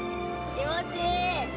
気持ちいい！